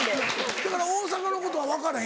だから大阪のことは分からへん